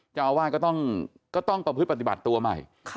เจ้าอาวาสก็ต้องประพฤติปฏิบัติตัวใหม่